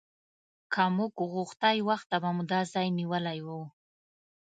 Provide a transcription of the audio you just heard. که موږ غوښتی وخته به مو دا ځای نیولی و.